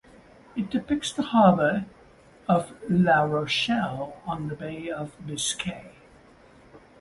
It depicts the harbor of La Rochelle on the Bay of Biscay.